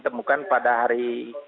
temukan pada hari